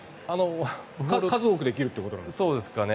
数多くできるってことなんですかね？